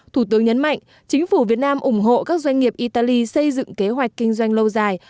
thủ tướng nhấn mạnh chính phủ việt nam ủng hộ các doanh nghiệp italy xây dựng kế hoạch kinh doanh lâu dài